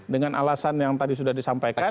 dengan alasan yang tadi sudah disampaikan